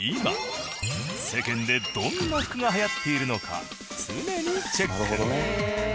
今世間でどんな服がはやっているのか常にチェック。